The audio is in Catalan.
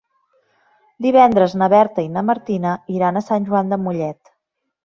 Divendres na Berta i na Martina iran a Sant Joan de Mollet.